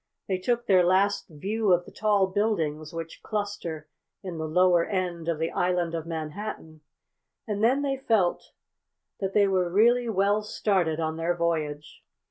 They took their last view of the tall buildings which cluster in the lower end of the island of Manhattan, and then they felt that they were really well started on their voyage.